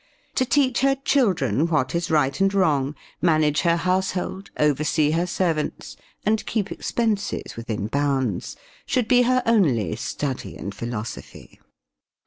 To teach her children what is right and wrong, Manage her household, oversee her servants, And keep expenses within bounds, should be Her only study and philosophy.